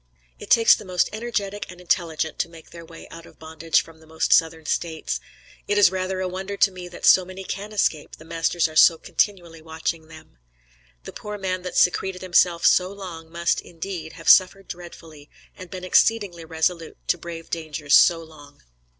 It takes the most energetic and intelligent to make their way out of bondage from the most Southern States. It is rather a wonder to me that so many can escape, the masters are so continually watching them. The poor man that secreted himself so long, must, indeed, have suffered dreadfully, and been exceedingly resolute to brave dangers so long.